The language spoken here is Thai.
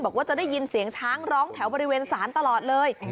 บอกว่าจะได้ยินเสียงช้างร้องแถวบริเวณศาลตลอดเลย